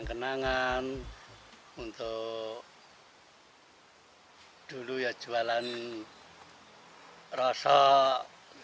untuk penanganan untuk dulu ya jualan rosok